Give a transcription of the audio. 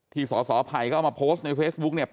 ที่สสภัยเขามาโพสต์ในเฟซบุ๊คเนี่ย